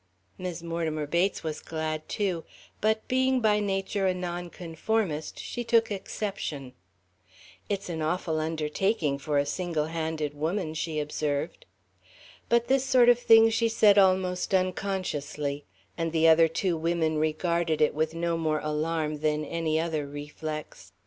Mis' Mortimer Bates was glad, too, but being by nature a nonconformist, she took exception. "It's an awful undertaking for a single handed woman," she observed. But this sort of thing she said almost unconsciously, and the other two women regarded it with no more alarm than any other reflex.